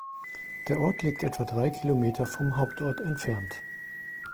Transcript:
Der Ort liegt etwa drei Kilometer vom Hauptort entfernt.